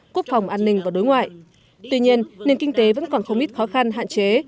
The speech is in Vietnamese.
quốc phòng an ninh và đối ngoại tuy nhiên nền kinh tế vẫn còn không ít khó khăn hạn chế